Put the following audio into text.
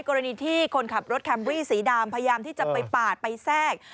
กรณีที่คนขับรถแคมรี่สีดำพยายามที่จะไปปาดไปแทรก